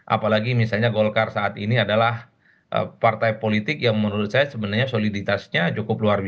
apalagi misalnya golkar saat ini adalah partai politik yang menurut saya sebenarnya soliditasnya cukup luar biasa